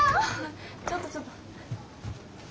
ちょっとちょっと。